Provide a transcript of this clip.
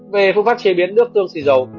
về phương pháp chế biến nước tương xì dầu